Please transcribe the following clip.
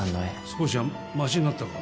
少しはましになったか？